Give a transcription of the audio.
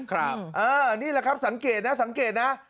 ครับเออนี่แหละครับสังเกตนะสังเกตนะ